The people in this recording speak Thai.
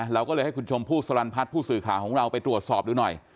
เราก็เลยให้คุณชมพู่สลันพัฒน์ผู้สื่อข่าวของเราไปตรวจสอบดูหน่อย